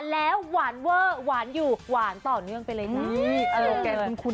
แล้วหวานเวอร์หวานอยู่หวานต่อเนื่องไปเลยจ้าคุ้น